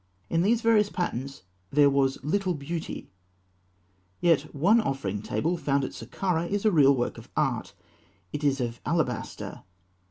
In these various patterns there was little beauty; yet one offering table, found at Sakkarah, is a real work of art. It is of alabaster.